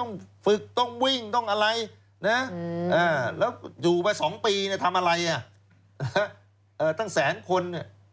ต้องฝึกต้องวิ่งต้องอะไรนะแล้วอยู่มา๒ปีทำอะไรตั้งแสนคน